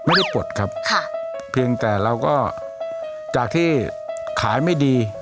ปลดครับค่ะเพียงแต่เราก็จากที่ขายไม่ดี